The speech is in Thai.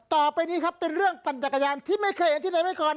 ต่อไปนี้ครับเป็นเรื่องปั่นจักรยานที่ไม่เคยเห็นที่ไหนมาก่อน